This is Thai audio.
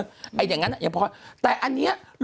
คุณหนุ่มกัญชัยได้เล่าใหญ่ใจความไปสักส่วนใหญ่แล้ว